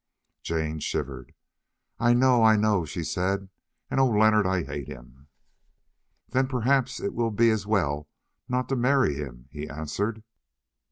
Jane shivered. "I know, I know," she said, "and oh! Leonard, I hate him!" "Then perhaps it will be as well not to marry him," he answered.